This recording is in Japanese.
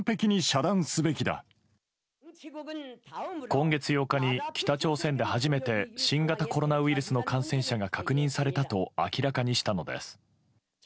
今月８日に、北朝鮮で初めて新型コロナウイルスの感染者が確認されたと明らかにしたのです。